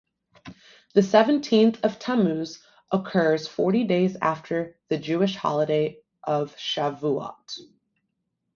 The Seventeenth of Tammuz occurs forty days after the Jewish holiday of Shavuot.